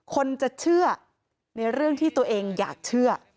คนจะเชื่อในเรื่องที่ตัวเองอยากเชื่อ